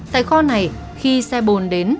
tại kho này khi xe bồn đến